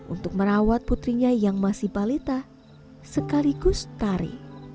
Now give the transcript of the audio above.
untuk merawat putrinya yang masih balita sekaligus tari